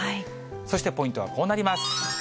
そしてポイントはこうなります。